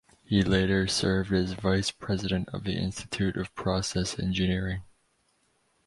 He later served as Vice President of the Institute of Process Engineering.